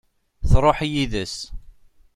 Truḥ yid-s.